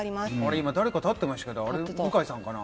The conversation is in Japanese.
今誰か立ってましたけどあれ向井さんかな？